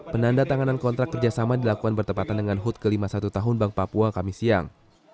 penanda tanganan kontrak kerjasama dilakukan bertepatan dengan hut ke lima puluh satu tahun bank papua kami siang